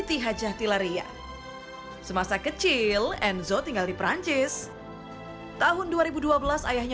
itu sangat panjang